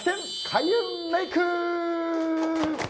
開運メイク！